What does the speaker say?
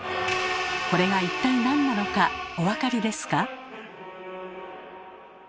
これが一体なんなのかお分かりですか？